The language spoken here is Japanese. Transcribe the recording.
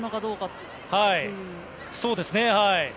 そうですね。